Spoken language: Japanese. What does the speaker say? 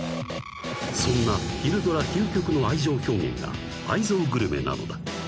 ［そんな昼ドラ究極の愛情表現が愛憎グルメなのだ］